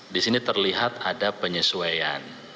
di sini terlihat ada penyesuaian